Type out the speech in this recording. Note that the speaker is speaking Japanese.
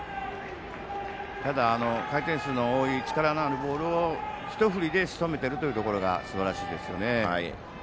ただ、回転数の多い力のあるボールを一振りでしとめたのがすばらしいですね。